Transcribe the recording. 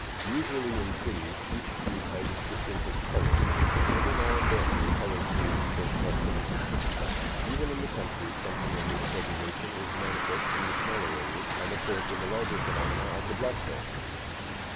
Usually in cities each street has its distinctive color, and only now and then do the colors meet in close proximity. Even in the country something of this segregation is manifest in the smaller areas, and of course in the larger phenomena of the Black Belt.